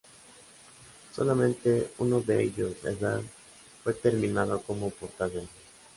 Solamente uno de ellos, el Bearn, fue terminado como portaaviones.